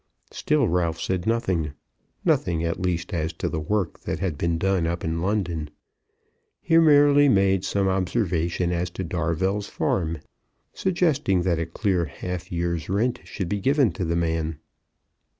Still Ralph said nothing, nothing, at least, as to the work that had been done up in London. He merely made some observation as to Darvell's farm; suggesting that a clear half year's rent should be given to the man.